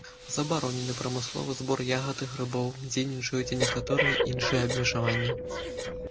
Забаронены прамысловы збор ягад і грыбоў, дзейнічаюць і некаторыя іншыя абмежаванні.